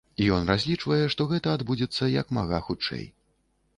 Ён разлічвае, што гэта адбудзецца як мага хутчэй.